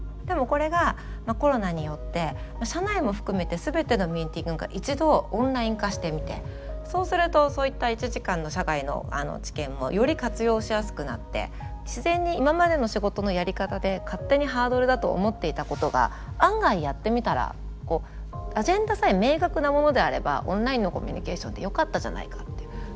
でもこれがコロナによって社内も含めて全てのミーティングが一度オンライン化してみてそうするとそういった１時間の社外の知見もより活用しやすくなって自然に今までの仕事のやり方で勝手にハードルだと思っていたことが案外やってみたらアジェンダさえ明確なものであればオンラインのコミュニケーションでよかったじゃないかっていう。